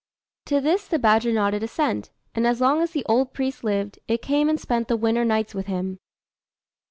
To this the badger nodded assent; and as long as the old priest lived, it came and spent the winter nights with him.